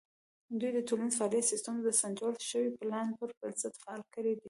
دوی د ټولنیز فعالیت سیستم د سنجول شوي پلان پر بنسټ فعال کړی دی.